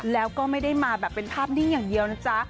แล้วก็ไม่ได้มาแบบเป็นภาพนิ่งอย่างเดียวนะจ๊ะ